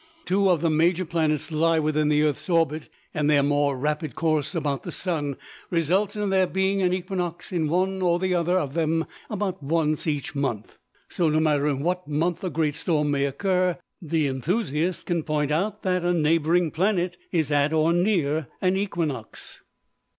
Two of the major planets lie within the earth's orbit, and their more rapid course about [Illustration: WATER SPOUTS AT SEA.] the sun results in there being an equinox in one or the other of them about once in each month. So no matter in what month a great storm may occur, the enthusiast can point out that a neighboring planet is at or near an equinox.